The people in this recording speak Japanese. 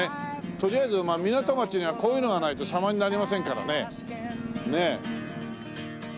とりあえず港町にはこういうのがないと様になりませんからねねっ。